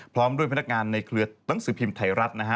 พร้อมด้วยพนักงานในเครือหนังสือพิมพ์ไทยรัฐนะฮะ